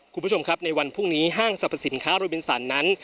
คุณผู้ชมครับในวันพรุ่งนี้ห้างสรรพสินค้าโรบินสันนั้น